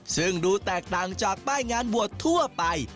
ซึ่งดูแตกต่างจากป้ายงานบวชทั่วไป